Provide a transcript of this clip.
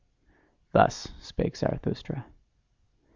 Thus spake Zarathustra.